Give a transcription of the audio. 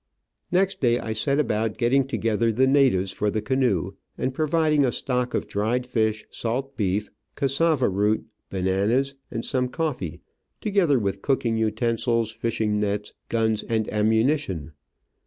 Next day AFTER THE ALLIGATOR HUNT. I set about getting together the natives for the canoe, and providing a stock of dried fish, salt beef, cassava root, bananas, and some coffee, together with cooking utensils, fishing nets, guns, and ammunition.